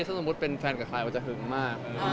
สมมุติเป็นแฟนกับใครก็จะหึงมาก